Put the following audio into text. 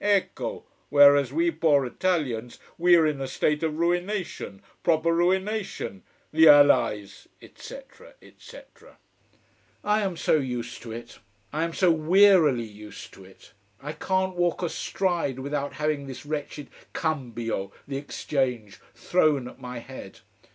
Ecco! Whereas we poor Italians we are in a state of ruination proper ruination. The allies, etc., etc. I am so used to it I am so wearily used to it. I can't walk a stride without having this wretched cambio, the exchange, thrown at my head.